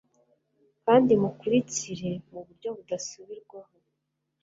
Kandi mukurikire muburyo budasubirwaho